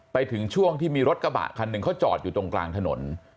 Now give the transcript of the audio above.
ไปถึงช่วงที่มีรถกระบะคันหนึ่งเขาจอดอยู่ตรงกลางถนน